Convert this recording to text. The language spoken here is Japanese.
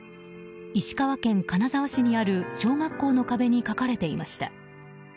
石川県金沢市にある小学校の壁に書かれていました。